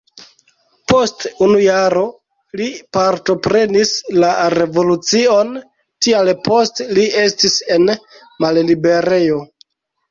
Post unu jaro li partoprenis la revolucion, tial poste li estis en malliberejo.